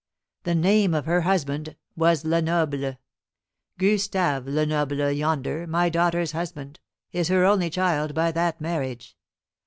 The name of her husband was Lenoble. Gustave Lenoble yonder, my daughter's husband, is her only child by that marriage.